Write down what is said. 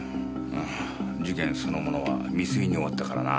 ああ事件そのものは未遂に終わったからな。